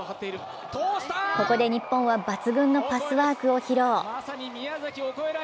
ここで日本は抜群のパスワークを披露。